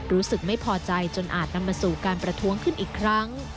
รู้สึกไม่พอใจจนอาจนำมาสู่การประท้วงขึ้นอีกครั้ง